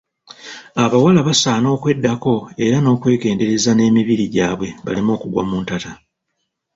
Abawala basaana okweddako era n'okwegendereza n'emibiri gy'abwe baleme kugwa mu ntata.